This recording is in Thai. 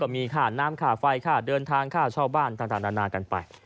มีขาดน้ำขาดไฟขาดเดินทางขาดเช่าบ้านต่างนานกันไป